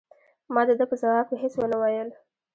ما د ده په ځواب کې هیڅ ونه ویل.